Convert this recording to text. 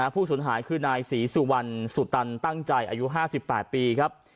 สูญหายคือนายศรีสุวรรณสุตันตั้งใจอายุ๕๘ปีครับ